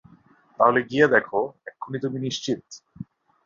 তাহলে গিয়ে দেখো, এক্ষুনি তুমি নিশ্চিত?